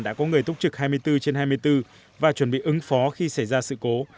đã có người túc trực hai mươi bốn trên hai mươi bốn và chuẩn bị ứng phó khi xảy ra sự cố